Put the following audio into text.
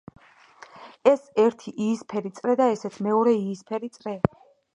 ეს ერთი იისფერი წრე და ესეც მეორე იისფერი წრე.